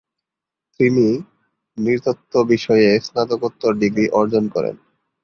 তিনি নৃতত্ত্ব বিষয়ে স্নাতকোত্তর ডিগ্রি অর্জন করেন।